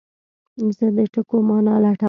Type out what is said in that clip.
زه د ټکو مانا لټوم.